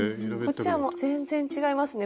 こっちはもう全然違いますね